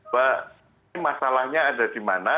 bahwa masalahnya ada di mana